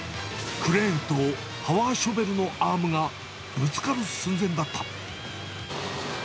クレーンとパワーショベルのアームがぶつかる寸前だった。